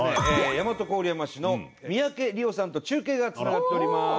大和郡山市の三宅莉緒さんと中継がつながっております。